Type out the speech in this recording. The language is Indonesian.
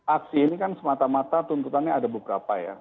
aksi ini kan semata mata tuntutannya ada beberapa ya